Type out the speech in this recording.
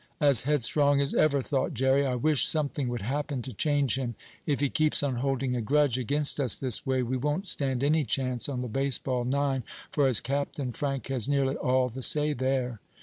"As headstrong as ever," thought Jerry. "I wish something would happen to change him. If he keeps on holding a grudge against us this way we won't stand any chance on the baseball nine, for, as captain, Frank has nearly all the say there."